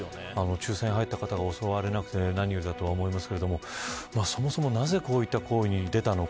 仲裁に入った方が襲われなくて何よりですがそもそもなぜ、こういった行為に出たのか。